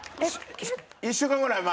１週間ぐらい前？